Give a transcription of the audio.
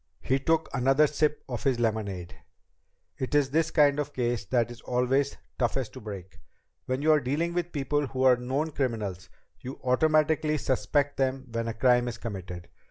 He took another sip of his lemonade. "It is this kind of case that is always toughest to break. Where you are dealing with people who are known criminals, you automatically suspect them when a crime is committed.